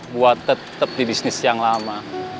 buat tetap di bisnis yang lama